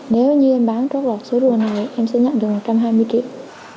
nếu như em bán trước lọt số rùa này em sẽ nhận được một trăm hai mươi triệu